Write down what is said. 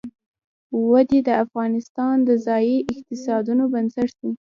وادي د افغانستان د ځایي اقتصادونو بنسټ دی.